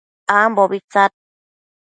ambobi tsad